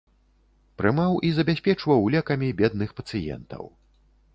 Прымаў і забяспечваў лекамі бедных пацыентаў.